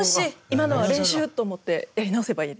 今のは練習！と思ってやり直せばいいです。